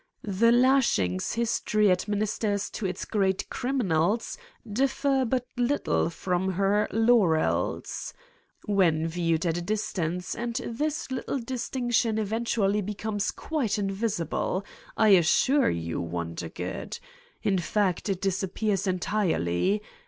The lashings his tory administers to its great criminals differ but little from her laurels when viewed at a distance and this little distinction eventually becomes quite invisible I assure you, Wondergood. In fact, it disappears entirely!